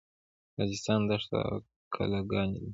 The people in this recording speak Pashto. راجستان دښته او کلاګانې لري.